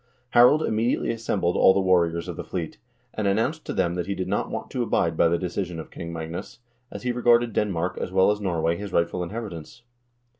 Harald immedi ately assembled all the warriors of the fleet, and announced to them that he did not want to abide by the decision of King Magnus, as he regarded Denmark as well as Norway his rightful inheritance.